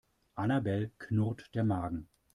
Annabel knurrt der Magen.